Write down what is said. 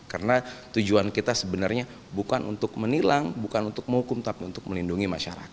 karena tujuan kita sebenarnya bukan untuk menilang bukan untuk menghukum tapi untuk melindungi